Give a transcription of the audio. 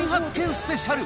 スペシャル。